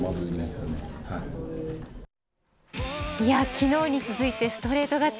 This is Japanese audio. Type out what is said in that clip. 昨日に続いてストレート勝ち。